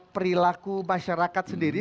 perilaku masyarakat sendiri